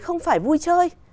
không phải vui chơi